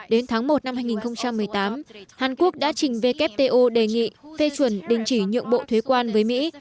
đến tháng một năm hai nghìn một mươi tám hàn quốc đã trình wto đề nghị phê chuẩn đình chỉ nhượng bộ thuế quan với mỹ